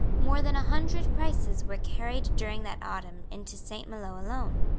More than a hundred prices were carried during that autumn into Saint Maloes alone.